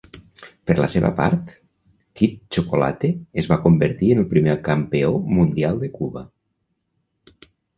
Per la seva part, "Kid Chocolate" es va convertir en el primer campió mundial de Cuba.